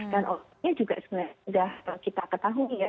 dan akhirnya juga sudah kita ketahui ya